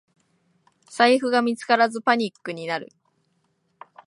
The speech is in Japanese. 財布が見つからずパニックになる